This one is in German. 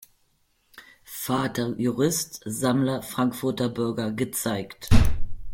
Vater, Jurist, Sammler, Frankfurter Bürger" gezeigt.